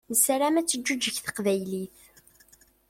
Nessaram ad teǧǧuǧeg teqbaylit.